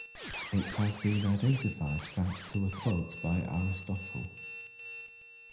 It has been identified thanks to a quote by Aristotle.